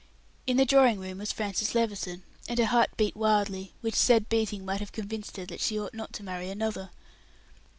In the drawing room was Francis Levison, and her heart beat wildly; which said beating might have convinced her that she ought not to marry another.